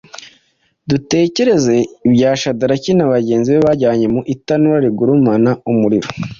Dutekereze ibya Shadaraki na bagenzi be bajyanye mu itanura rigurumana umuriro,